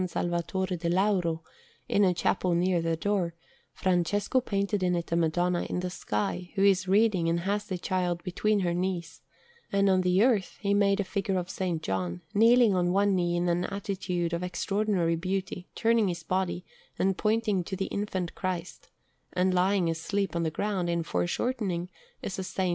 Salvatore del Lauro, in a chapel near the door, Francesco painted in it a Madonna in the sky, who is reading and has the Child between her knees, and on the earth he made a figure of S. John, kneeling on one knee in an attitude of extraordinary beauty, turning his body, and pointing to the Infant Christ; and lying asleep on the ground, in foreshortening, is a S.